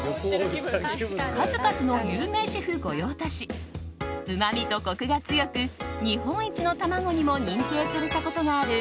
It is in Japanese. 数々の有名シェフ御用達うまみとコクが強く日本一の卵にも認定されたことがある